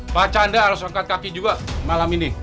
pak chandra harus angkat kaki juga malam ini